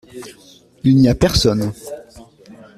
Il n’y a personne.